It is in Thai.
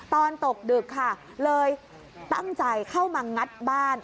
ตกดึกค่ะเลยตั้งใจเข้ามางัดบ้าน